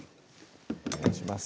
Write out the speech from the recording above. お願いします